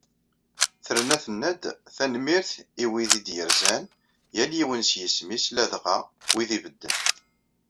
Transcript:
Terna tenna-d: "Tanemmirt i wid i d-yerzan, yal yiwen s yisem-is, ladɣa wid ibedden".